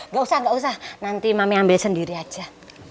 nggak usah nanti mami ambil sendiri aja